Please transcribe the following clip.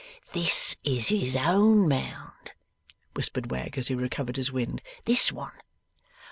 'This is his own Mound,' whispered Wegg, as he recovered his wind, 'this one.